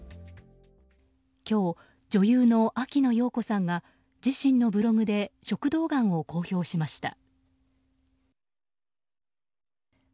今日、女優の秋野暢子さんが自身のブログで食道がんを公表しました。